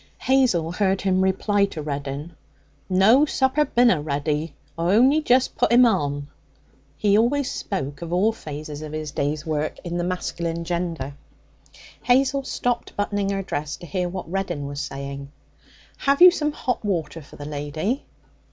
Hazel heard him reply to Reddin. 'No. Supper binna ready; I've only just put 'im on.' He always spoke of all phases of his day's work in the masculine gender. Hazel stopped buttoning her dress to hear what Reddin was saying. 'Have you some hot water for the lady?'